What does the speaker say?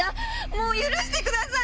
もう許してください